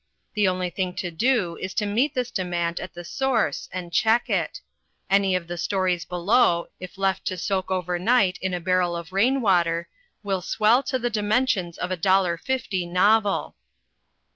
The only thing to do is to meet this demand at the source and check it. Any of the stories below, if left to soak overnight in a barrel of rainwater, will swell to the dimensions of a dollar fifty novel.